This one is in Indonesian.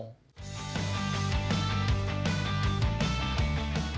masih tidak bisa menang